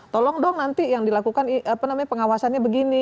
tolong dong nanti yang dilakukan pengawasannya begini